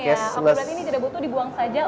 oke berarti ini tidak butuh dibuang saja